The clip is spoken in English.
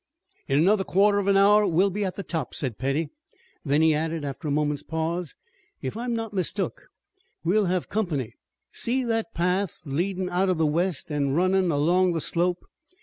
"In another quarter of an hour we'll be at the top," said Petty. Then he added after a moment's pause: "If I'm not mistook, we'll have company. See that path, leadin' out of the west, an' runnin' along the slope.